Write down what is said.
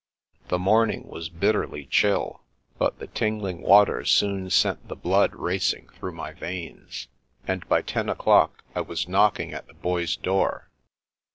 The morning was bitterly chill, but the tin gling water soon sent the blood racing through my veins, and by ten o'clock I was knocking at the Boy's door.